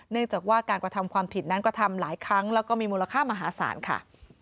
เนื่องจากว่าการกระทำความผิดนั้นกระทำหลายครั้งแล้วก็มีมูลค่ามหาศาลค่ะ